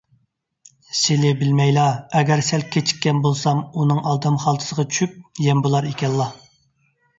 سىلى بىلمەيلا، ئەگەر سەل كېچىككەن بولسام، ئۇنىڭ ئالدام خالتىسىغا چۈشۈپ يەم بولار ئىكەنلا.